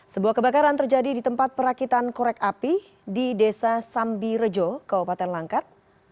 sebuah kebakaran terjadi di tempat perakitan korek api di desa sambirejo kabupaten langkat